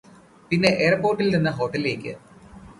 പിന്നെ എയർപോർട്ടിൽ നിന്ന് ഹോട്ടലിലേക്ക്